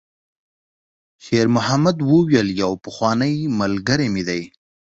شېرمحمد وویل: «یو پخوانی ملګری مې دی.»